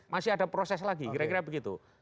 masih ada proses lagi kira kira begitu